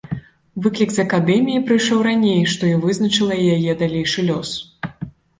Выклік з акадэміі прыйшоў раней, што і вызначыла яе далейшы лёс.